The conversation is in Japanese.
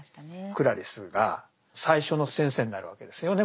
クラリスが最初の「先生」になるわけですよね